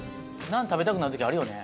ナン食べたくなる時あるよね。